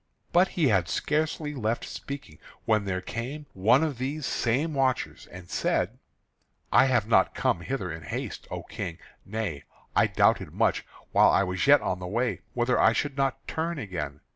But he had scarcely left speaking when there came one of these same watchers and said: "I have not come hither in haste, O King, nay, I doubted much, while I was yet on the way, whether I should not turn again.